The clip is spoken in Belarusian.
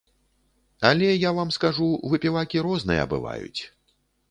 Але я вам скажу, выпівакі розныя бываюць.